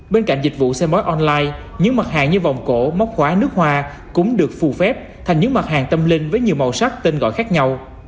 bên cạnh dịch vụ xe mối online những mặt hàng như vòng cổ móc khóa nước hoa cũng được phù phép thành những mặt hàng tâm linh với nhiều màu sắc tên gọi khác nhau